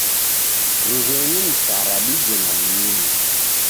Rughenyi msara dije na mnyunya.